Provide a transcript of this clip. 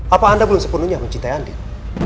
apa anda belum sepenuhnya mencintai andin